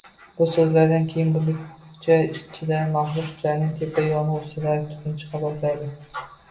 Bu so‘zlardan keyin bulutcha ichidagi maxluqchaning tepa yungi ustidan tutun chiqa boshladi.